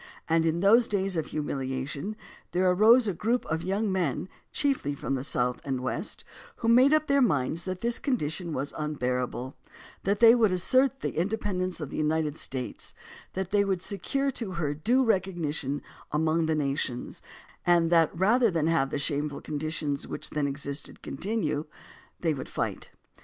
And then in those days of humiliation there arose a group of young men, chiefly from the South and West, who made up their minds that this condition was unbearable; that they would assert the independence of the United States; that they would secure to her due recognition among the nations; and that rather than have the shameful con ditions which then existed continue they would fight.